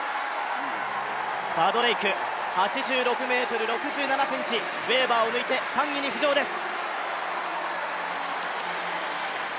バドレイク、８６ｍ６７ｃｍ、ベーバーを抜いて３位に浮上です。